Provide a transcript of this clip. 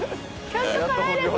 ちゃんと辛いです